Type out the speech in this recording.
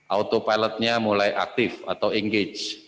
autopilotnya mulai aktif atau engage